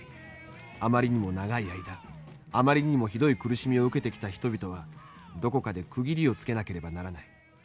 あまりにも長い間あまりもひどい苦しみを受けてきた人々はどこかで区切りをつけなければならない。